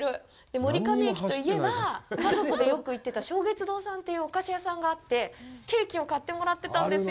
森上駅といえば、家族でよく行ってた松月堂さんというお菓子屋さんがあってケーキを買ってもらってたんですよ。